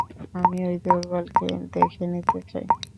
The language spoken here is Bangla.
আমি ঐ দুর্বলকে দেখে নিতে চাই।